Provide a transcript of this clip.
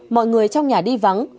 mọi người trong nhà đi vắng